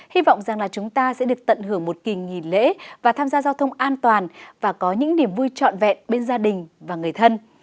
hy vọng rằng là chúng ta sẽ được tận hưởng một kỳ nghỉ lễ và tham gia giao thông an toàn và có những niềm vui trọn vẹn bên gia đình và người thân